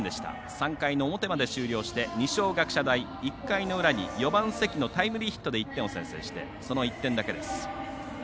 ３回の表まで終了して二松学舎大、１回の裏にタイムリーヒットで１点を先制してその１点だけです。